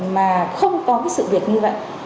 mà không có sự việc như vậy